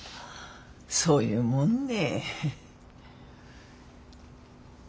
そういうもんね？